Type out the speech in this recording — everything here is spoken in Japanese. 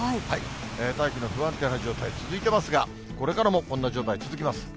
大気の不安定な状態続いてますが、これからもこんな状態続きます。